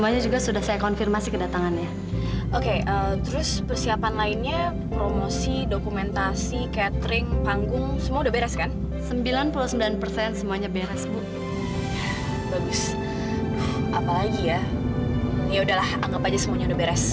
ya udahlah anggap aja semuanya udah beres